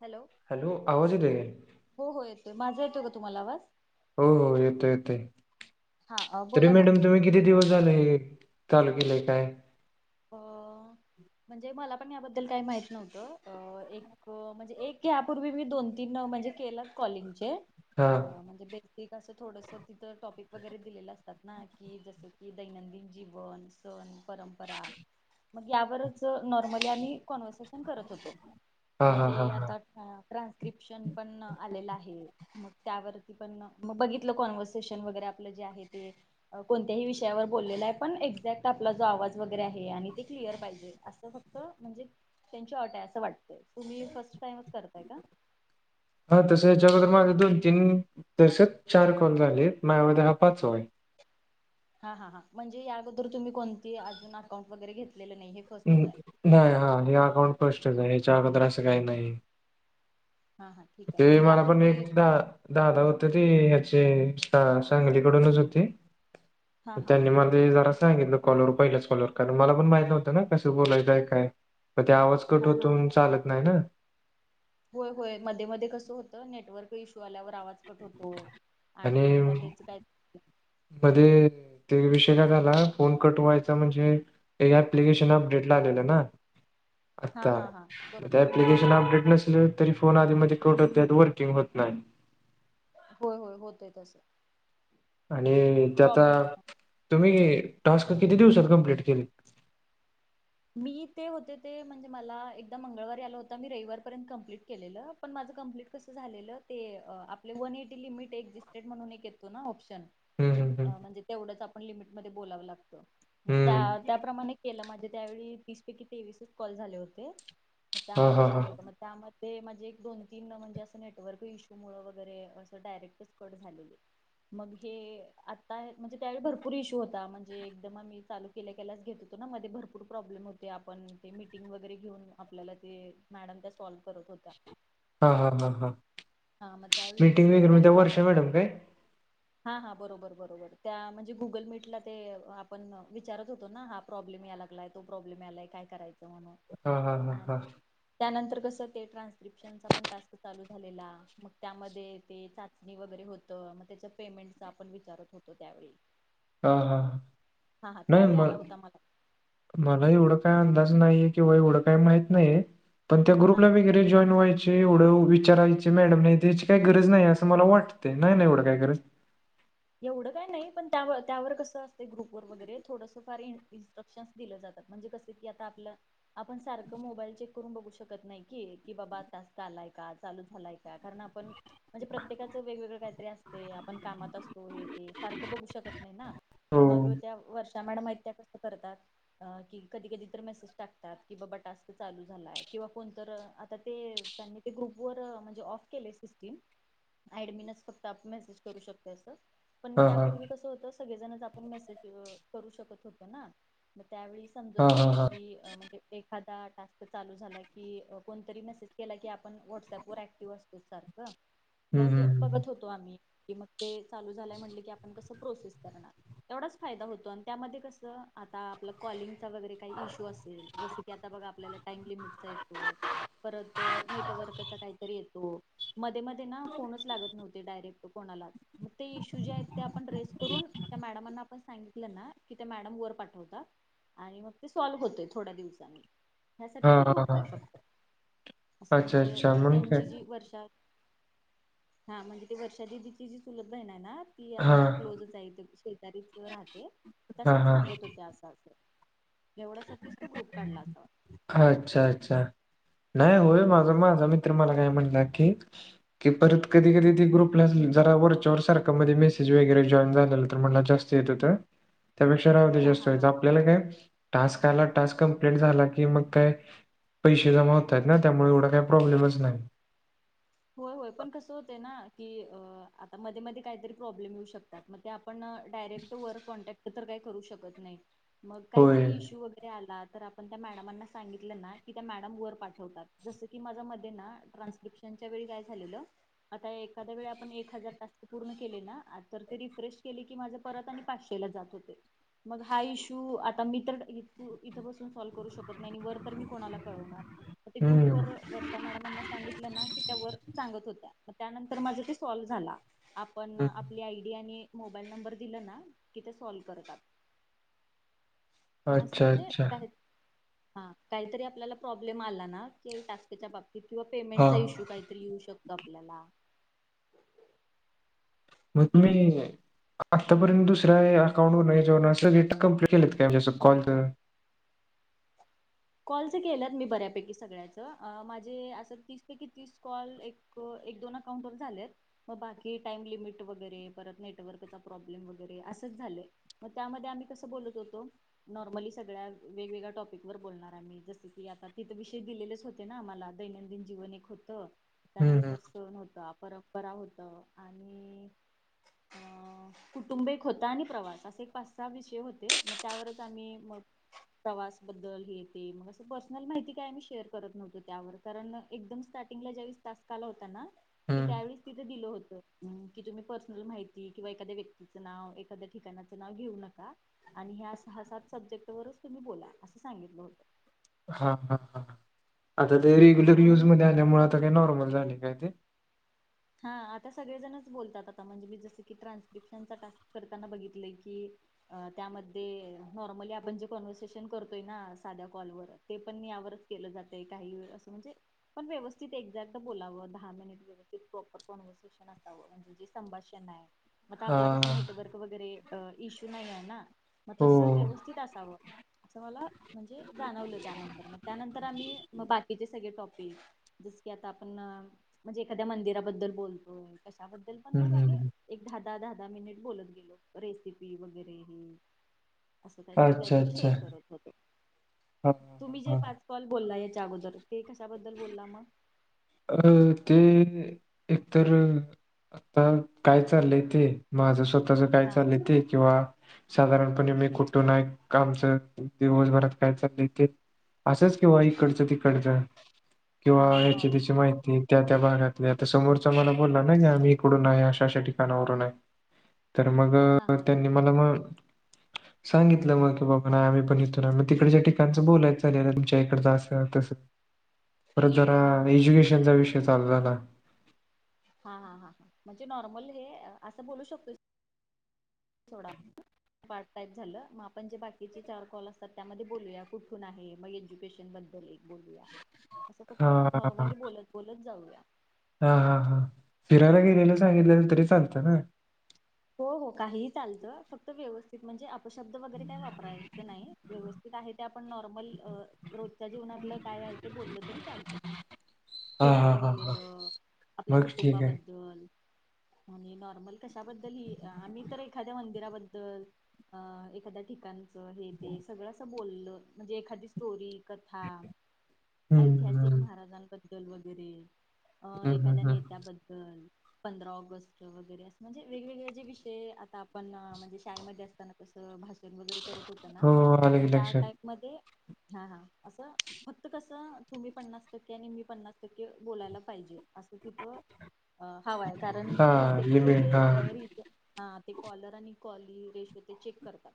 Hello, hello, आवाज येतोय काय? हो-हो येतोय. माझा येतो का तुम्हाला आवाज? हो-हो, येतोय- येतोय हा तरी बोला ना. मॅडम तुम्ही किती दिवस झालेय हे चालू केलंय काय? अ म्हणजे मला पण याबद्दल काही माहित नव्हतं, अं एक ऐक अं, म्हणजे एक यापूर्वी मी दोन- तीन म्हणजे केलं कॉलिंगचे हा म्हणजे त कि कसं थोडंस तिथं टॉपिक वगैरे दिलेलं असतात ना, कि जसं की दैनंदिन जीवन, सण परंपरा, मग यावरच नॉर्मली आम्ही कॉन्व्हर्सेशन करत होतो, हा मग हा हा ते हा आता हं ट्रान्स्क्रिप्शन पण आलेला आहे. मग त्यावरती पण, म बघितलं कॉन्व्हर्सेशन वगैरे आपलं जे आहे ते. कोणत्याही विषयावर बोललेला आहे, पण एक्झॅक्ट आपला जो आवाज वगैरे आहे आणि ते क्लिअर पाहिजे, असं फक्त म्हणजे त्यांची अट आहे असं वाटतंय, तुम्ही फर्स्ट टाइमचं करताय का? [inaudible] हा तसं याच्या अगोदर माझे दोन -तीन तसे चार कॉल झालेत, माझ्या मते हा पाचवा आहे. हा, हा, हां म्हणजे या अगोदर तुम्ही कोणती अजून अकाउंट वगैरे घेतलेलं नाहीये. नाही हा, हे अकाउंट फस्टच आहे, ह्याच्या अगोदर असं काही नाही. हा हा ठीक आहे ते मग मला पण यापूर्वी एकदा दादा होते, ते याचे सांगलीकडूनच होते हा त हा त्यांनी मला ते जरा सांगितलं कॉल वरच पहिल्याच कॉल वर, कारण मला पण माहित नव्हतं ना कसं बोलायचे आहे, काय ते आवाज कट हा होतो हा म्हणून चालत नाही ना? होय होय, मध्ये मध्ये कसं होतं नेटवर्क इश्यू आल्यावर आवाज कट होतो. आणि मध्येच काय मध्ये तो विषय काय झाला, फोन कट व्हायचा म्हणजे एक अप्लिकेशन अपडेट ला आलेलं ना. हा आता हा हा [unintelligible] बरोबर एप्लीकेशन अपडेट नसल तरी फोन आधी मधी कट होत्यात, वर्किंग होत नाही. होय होय होतय तसं. आणि ते आता, प्रॉब्लेम तुम्ही टास्क किती दिवसात कम्प्लीट केली? मी ते होते ते, म्हणजे मला एकदा मंगळवारी आलं होत, मी रविवारपर्यंत कंप्लीट केलेलं. पण माझं कम्प्लीट कसं झालेलं ते अ आपले वन एटी लिमिट एक्झिस्टेड म्हणून एक येतो ना ऑप्श हम्म हम्म अ म्हणजे तेवढच आपण लिमिटमध्ये बोलावं लागतं, मग हम्म त्यात हम्म त्याप्रमाणे केलं, माझे त्यावेळी तीस पैकी तेवीसच कॉल झाले होते. हा त्यामध्ये हा हा झालं होतं मग त्यामध्ये माझे एक दोन, तीन म्हणजे असं नेटवर्क इशूमूळ वगैरे असं डायरेक्टच कट झालेले. मग हे आता म्हणजे त्यावेळी भरपूर इशू होता, म्हणजे जेव्हा मी चालू केल्या केल्यास घेत होतो ना मध्ये भरपू प्रॉब्लेम होते, आपण ते मीटिंग वगैरे घेऊन आपल्याला ते मॅडम त्या सॉल्व करत होत्या. हा हा हा हा हा मग त्यावेळी मीटिंग इश्यू वगैरे म्हण त्या वर्षा असल्यामुळे मॅडम काय? हा हा बरोबर बरोबर त्या म्हणजे गुगल मीटला ते आपण विचारत होतो ना हा प्रॉब्लेम यालागलाय, तो प्रॉब्लेम यालाय काय करायचं म्हणून हा हा हा हा आणि त्यानंतर कसं ते ट्रान्स्क्रिप्शनचा पण टास्क चालू झालेला मग त्यामध्ये ते चाचणी वगैरे होत, मग त्याच पेमेंटच आपण विचारत होतो त्यावेळी. हा हा हा हा नाही त्यावेळी मर आला होता मला मला एवढ काय अंदाज नाहीये किंवा एवढं काय माहीत नाहीये पण त्या हा हा ग्रुपला वगैरे जॉईन व्हायचे एवढं विचारायचे मॅडम नाही त्याची काही गरज नाही असं मला वाटते, नाय ना एवढं काय गरज? एवढं काय नाही पण त्यावं त्यावर कसं असतय ग्रुपवर वगैरे थोडंसं फार इन्स् इन्स्ट्रक्शन दिलं जातात, म्हणजे कस की आता आपलं आपण सारखं मोबाईल चेक करून बघू शकत नाही की, की बाबा टास्क आलाय का, चालू झालाय कारण आपण म्हणजे प्रत्येकाचं वेगवेगळं काहीतरी असते, आपण कामात अस फोन हे ते सारखं बघू शकत नाही ना, हो. मग त्या वर्षा मॅडम आहेत त्या कस करतात. अ कि कधी कधी तर मेसेज टाकतात, की बाबा टास्क चालू झालाय किंवा कोण तरं आता ते त्यांनी ते ग्रुप वर म्हणजे ऑफ केले सिस्टीम एडमिनच फक्त आप मेसेज करू शकते असं. पण हां, हां. त्यापूर्वी कसं होतं सगळेजणच आपण मेसेज अ करू शकत होत्या ना मग त्यावेळीस हां, समजत होत हां, हां. की अ म्हणजे एखादा टास्क चालू झाला की अ कोणतरी मेसेज केला की आपण व्हॉट्सअपवर ऍक्टिव्ह असतो सार [unintelligible] हं, मग हं, हं. बघत होतो आम्ही कि मग ते चालू झालाय म्हटलं की आपण कसं प्रोसेस करणार? तेवढाच फायदा होतो आणि त्यामध्ये कसं आता आपलं कॉलिंगचा वगैरे काही इशू असेल जस की की आता बघा आपल्याला टाइम लिमिटचा येतोय, परत नेटवर्कचा काहीतरी येतो. मध्ये मध्ये ना फोनच लागत नव्हते डायरेक्ट कोणालाच मग ते इश्यू जे आहेत, ते आपण रेज करून त्या मॅडमांना आपण सांगितलं ना की त्या मॅडम वर पाठवतात. आणि मग ते सॉल्व्ह होतय थोड्या दिवसांनी, ह्यासाठी हां, तो हां, ग्रुप आहे हां. फक्त असं अच्छा, म्हणजे अच्छा. म्हणून काय? त्यांची जी वर्षा हा म्हणजे ते वर्षा दिदीची जी चुलत बहिण आहे ना, ती हां. आमच्या क्लोजच आहे, इथे शेजारीच राहते. त्या हां, सगळं हां. सांगत होत्या असं असं एवढ्यासाठीच तो ग्रुप काढला असावा. अच्छा अच्छा नाही होय हा माझा हा माझा मित्र मला काय म्हणला की कि परत कधी कधी त ग्रुपला जरा वरच्यावर सारखा मध्ये मेसेज वगैरे जॉईन झाले तर म्ह जास्त जेतु तर [unintelligible] त्यापेक्षा राहूदे हा जास्त हा हा आपल्याला काय टास्क आला टास्क कमप्लीट झाला की मग काय पैसे जमा होत आहेत ना त्यामुळे काही प्रॉब्लेमच नाही. होय होय पण कसं होतय ना की आता मध्ये मध्ये काहीतरी प्रॉब्लेम येऊ शकत‌ मग ते आपण डायरेक्ट वर कॉन्टॅक्ट तर काही करू शकत नाही, मग काय होय जरी इशु होता ते आला, तर आपण त्या मॅडमांना सांगितलं ना, की त्या मॅडम वर पाठवतात, जस की माझ्या मध्ये ना ट्रान्स्क्रिप्शनच्या वेळी काय झालेल आता एखाद्या वेळी आपण एक हजार टास्क पूर्ण केले ना, तर ते रिफ्रेश केले की माझ परत आणि पाचशेला जात होते. मग हा इश्यू, आता मी तर इथं बसून सॉल्व करू शकत नाही, आणि वर तर मी कोणाला कळवणार. ते ग्रुप हम्म वर, वर्षा मॅडमांना सांगितलं ना वर सांगत होत्या, त्यानंतर माझं सोल्व झाला, आपण हं. आपली आय डी आणि मोबाईल नंबर दिला ना, कि ते सॉल्व करतात. मासं अच्छा म्हणजे अच्छा काय? हा, काहीतरी आपल्याला प्रॉब्लेम आला ना, टास्कच्या बाबतीत, किंवा हा पेमेंटचा इशु काहीतरी येऊ शकतो आपल्याला. मग तुम्ही आतापर्यंत दुसऱ्या अकाउंटवर न हच्यावन असं डेट कं्प्लीट केलेत काय, जसं कॉल कॉलच केल्यात मी बऱ्यापैकी सगळ्याचं, माझे असं तीस पैकी तीस कॉल एक एक दोन अकाउंटवर झालेत. मग बाकी टाइम लिमिट वगैरे, परत नेटवर्कचा प्रॉब्लेम वगैरे, असंच झालंय. मग त्यामध्ये आम्ही कसं बोलत होतो, नॉर्मली सगळ्या वेगवेगळ्या टॉपिक वर बोलणार. जस की आता तिथं विषय दिलेलेच होते ना आमाला, दैनंदिन जीवन एक होतं हम्म हम्म त्यानंतर सण होता, परंपरा होतं, आणि ह अ [unintelligible] कुटुंब एक होता, आणि प्रवास, असे एक पाच सहा विषय होते, मग त्यावरच आम्ही मग प्रवास बद्दल हे ते मग असं पर्सनल माहिती काय आमही शेअर करत नव्हतो त्यावर, कारण एकदम स्टार्टिंगला ज्यावेळेस टास्क आला होता ना कि हम्म त्यावेळीस तिथे दिलं होतं, कि तुम्ही पर्सनल माहिती, किंवा एखा्या व्यक्तीचं नाव एखाद्या ठिकाणाचं नाव घेऊ नका. आणि ह्या सहा सात सब्जेक्ट वरच तुम्ही बोला, असं सांगितलं होतं. हा हा हा, आता ते हा रेग्युलर युज म्हणूनच मध्ये आल्यामुळे, आता काही नॉर्मल झाले काय ते. हा, आता सगळेजणच बोलतात, आता म्हणजे मी जस की ट्रान्स्क्रिप्शनचा टास्क करताना बघितलेय की अ त्यामध्ये, नॉर्मली आपण जे कॉन्व्हर्सेशन करतोय ना साध्या कॉलवर ते पण यावरच केलं जातय, काही व असं म्हणजे पण व्यवस्थित एक्झॅक्ट बोलावं, दहा मिनिट व्यवस्थित संभाषण हाय, मी आता हा आपला कसा नेटवर्क वगैरे इशू नाही आहे ना, मग हो तस व्यवस्थित असावं. असं मला म्हणजे, जाणवलं त्यानंतर, मग त्यानंतर आम्ही बाकीचे सगळे टॉपिक, जस की आता आपण, म्हणजे एखाद्या मंदिराबद्दल बोलतोय, कशाबद्दल पण हम्म मग आम्ही हम्म एक दहा दहा दहा दहा मिनिट बोलत गेलो, रेसिपी वगैरे, हे. असं काहीतरी अच्छा काहीतरी अच्छा शेअर करत होते, हा हा तुम्ही जे हा पाच कॉल बोललाय अगोदर, ते कशाबद्दल बोलला मग? अरे ते एकतर, आता काय चाललंय ते माझं स्वतःच काय हा चालय ते, किंवाऽ साधारणपणे मी कुठून आहे, आमचं दिवसभरात काय चाललंय ते, असंच, किंवा इकडचं तिकडचं, किंवा हा हा याच्याऽ नॉर्म माहिती त्या त्या भागातली, आता समोरच मला बोलला ना, की आम्ही इकडून आहे, अशा अशा ठिकाणावरून आहे, तर मग, हा हा हा त्यांनी हा मला मगऽ सांगितलं, मग की बाबा आम्ही पण इथून आहे, मग तिकडच्या ठिकाणचं बोलायचं झालेलं, तुमच्या इकडचं असं तसं. परत जरा हा हा एज्युकेशनचा विषय चालू झाला. हा हा हां, म्हणजे नॉर्मल हे, असं बोलू शकतोऽ पार्ट टाईप झालं, मग आपण जे बाकीचे चार कॉल असतात त्यामध्ये बोलूया कुठून आहे मग एज्युकेशन बद्दल एक बोलूया. ह. [unintelligible] असं फक्त, नॉर्मली बोलत बोलत जाऊया. हा हा हा, फिरायला गेलेलं सांगितलंलं तरी चालतं ना? हो हो, काहिही चालतं, फक्त व्यवस्थित म्हणजे अपशब्द वगैरे काय वापरा व्यवस्थित आहे ते आपण नॉर्मल, अ रोजच्या जीवनातलं काय आय ते बोललं तरी चालतं. हां हां फिरायला हां हां. गेलेलं,, आपल्या मग ठीक आहे. कुटुंबाबद्दल आणि नॉर्मल कशाबद्दल ह, आम्ही तर एखाद्या मंदिराबद्दल, अ एखाद्या ठिकाण असं हे ते, सगळं असं बोललं, म्हणजे एखादी स्टोरी कथा, हं, ऐतिहासिक हं, महाराजांन बद्दल वगैरे अ हं, हं, एखाद्या हं. नेत्याबद्दल, पंधरा ऑगस्ट वगैरे, असं म्हणजे वेगवेगळे जे विषय, आता आपण शाळेत मध्ये असताना कसं अ भाषण वगैरे करत होत ना,, हो, आलं तर की त्या लक्षात. टाईप मध्ये हा हा असं, फक्त कसं तुम्ही पन्नास टक्के आणि मी पन्नास टक्के, बोलायला पाहिजे. असं तिथं हवा आहे, कारण हां, रिजेक्टच जे. लिमिट हां, रिज हा ते कॉलर आणि कॉली रेश हो ते चेक करतात.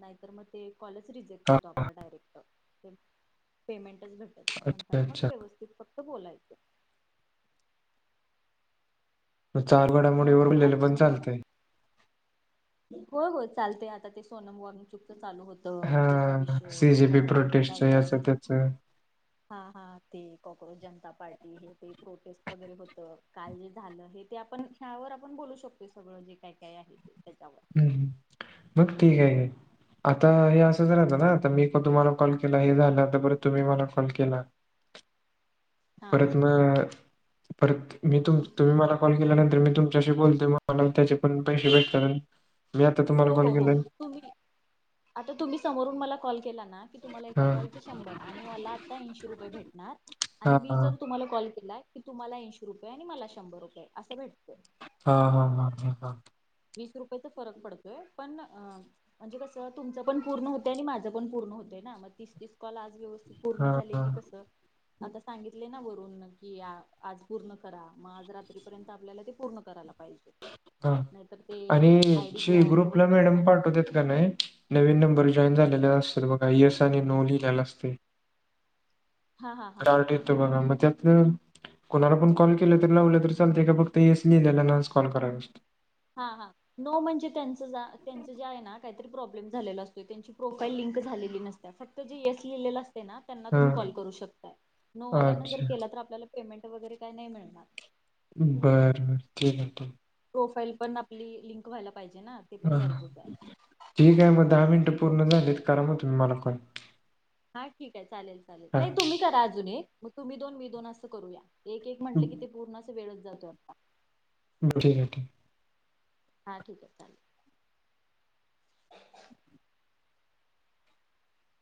नाहीतर मग ते कॉलच रिजेक्ट हां, होतो हां. आपला डायरेक्ट,, ते पेमेंटचं भेटत नाही. अच्छा, म्हणताना मग अच्छा. व्यवस्थित फक्त बोलायचं. चालु घडामोडीवर मग बोललेलं पण चालतय. हो हो चालतय, आता ते सोनम वॉून चुपत चालू होत त त्याचा हां, विषय, सीजेबी परत आणि काय प्रोटेस्टचं काय याचं आहे त्याचं. हा हा ते कॉक्रोज जनता पार्टी, हे ते प्रोटेस्ट वगैरे होतं,, काल जे झालं हे ते आपण ह्यावर आपण बोलू शकतो सगळं जे काय काय आहे ते त्याच्यावर. हम्म, मग ठिक हाय हे. आता हे असंच राहतं ना, आता मी तुम्हाला कॉल केला हे झालं परत तुम्ही मला कॉल केला [inaudible] हा हा परत म परत मी तु तुम्ही मला कॉल केल्यानंतर मी तु मच्याशी बोलतो मला त्याचे पण पैसे भेटनारं हो हो हो तुम्ही, आता तुम्ही समोरून मला कॉल केला ना तुम्हाला हा एका कॉलचे शंभर, आणि मला आता ऐशी रुपये भेटणार, आणि हा मी जर तुम्हाला कॉल केलाय. की तुमाला ऐंशी रुपय आणि मला शंभर रुपय, असं भेटतात. हा हा. वीस रुपयचा फरक पडत पण म्हणजे कसं तुमचं पण पूर्ण होतंय आणि माझं पण पूर्ण होतंय ना मग तीस तीस कॉल आज व्यवस्थित पूर्ण हा झाले हा कि कसं आता सांगितले ना वरून की आ आज पूर्ण करा मग आज रात्रीपर्यंत आपल्याला ते पूर्ण कराय लागतं. पाहिजे नाहीतर ते आय डी ब्लॉक आपल्या वगैरे मॅडम पण पाठवत्यात का नाही नवीन नंबर जॉईन झालेला असतील बघ एस आणि नो लिहलेला असतय हा हा हा चार्ट येतो बघा मग त्यात कोणाला पण कॉल केलं तरी लावलं तर चालतंय एका फक्त एस लिहिलेल्यानाच कॉल करायचा असतो. हां हां. नो म्हणजे त्यांच त्यांच जे आहे ना काहीतरी प्रॉब्लेम झालेला असतोय त्यांची प्रोफाईल लिंक झालेली नसतेय फक्त ते जे येस लिहिलेलं असतय ना त्यांना तुम्ही कॉल हा करू शकताय नो वाल्यांना जर अच्छा केला तर आपल्याला पेमेंट वगैरे काय नाही मिळणार. बरं बरं ठीकय ठीकय. प्रोफाईल पण आपली लिंक व्हायला पाहिजे ना? ते पण हम्म गरजेचं हं आहे ठीक आहे मग दहा मिनिटं ठीक आहे पूर्ण झालीत करा मग तुम्ही मला कॉल. हा ठीक आहे चालेल चालेल, हा नाही ठीक तुम्ही करा अजून एक मग तुम्ही दोन, मी दोन असं करूया. एक एक म्हटल की ते पूर्ण अस वेळच जातो आपला. बर ठीकय ठीकय. हां ठीक आहे चालल.